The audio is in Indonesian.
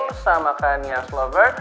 terus sama kan ya slover